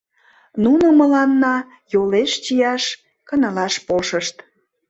Нуно мыланна йолеш чияш, кынелаш полшышт.